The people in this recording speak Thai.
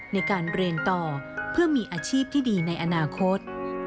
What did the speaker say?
ในการเรียนต่อเพื่อมีอาชีพที่ดีในอนาคต